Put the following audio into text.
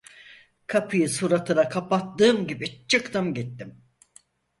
Kapıyı suratına kapadığım gibi çıktım gittim.